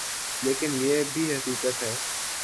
لیکن یہ بھی حقیقت ہے۔